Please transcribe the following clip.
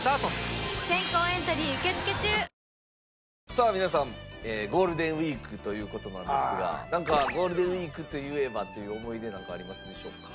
さあ皆さんゴールデンウィークという事なんですがゴールデンウィークといえばという思い出なんかありますでしょうか？